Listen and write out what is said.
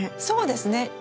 そうですね。